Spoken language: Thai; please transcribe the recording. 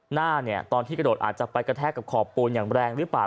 หน้าเนี่ยตอนที่กระโดดอาจจะไปกระแทกกับขอบปูนอย่างแรงหรือเปล่า